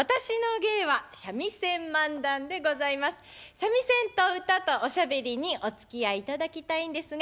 三味線と唄とおしゃべりにおつきあいいただきたいんですが